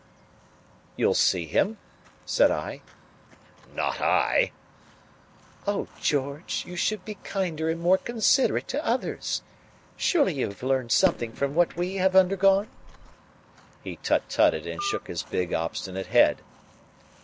"You'll see him?" said I. "Not I." "Oh, George! You should be kinder and more considerate to others. Surely you have learned something from what we have undergone." He tut tutted and shook his big, obstinate head.